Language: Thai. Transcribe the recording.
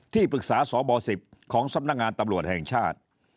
ที่ปรึกษาสบ๑๐ของสำนักงานตำรวจแห่งชาติ